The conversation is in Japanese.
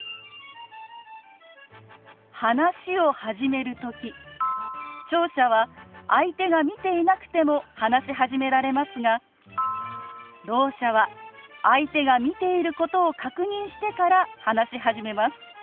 話を始める時聴者は相手が見ていなくても話し始められますがろう者は相手が見ていることを確認してから話し始めます。